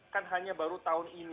kan hanya baru tahun ini